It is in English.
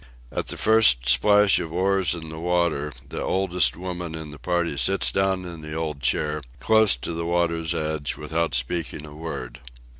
At the first plash of the oars in the water, the oldest woman of the party sits down in the old chair, close to the water's edge, without speaking a word.